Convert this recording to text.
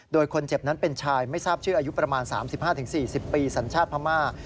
โดยคนเจ็บนั้นเป็นชายไม่ทราบชื่ออายุประมาณ๓๕๔๐ปีสัญชาติพม่า